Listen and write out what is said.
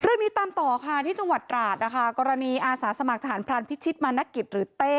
เรื่องนี้ตามต่อค่ะที่จังหวัดตราดนะคะกรณีอาสาสมัครทหารพรานพิชิตมานกิจหรือเต้